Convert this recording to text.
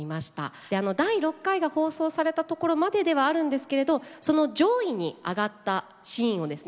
第６回が放送されたところまでではあるんですけれどその上位に挙がったシーンをですね